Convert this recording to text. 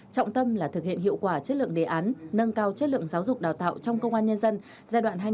trọng tâm là thực hiện hiệu quả chất lượng đề án nâng cao chất lượng giáo dục đào tạo trong công an nhân dân